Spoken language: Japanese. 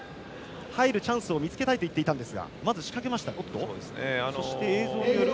入るチャンスを見つけたいと言っていたんですがまず仕掛けましたね。